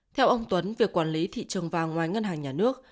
theo ông tuấn việc quản lý thị trường vàng ngoài ngân hàng nhà nước